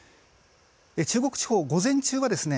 中国地方、午前中はですね